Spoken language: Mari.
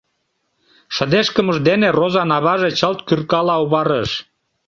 Шыдешкымыж дене Розан аваже чылт кӱркала оварыш.